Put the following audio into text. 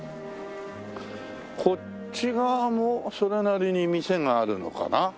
こっち側もそれなりに店があるのかな？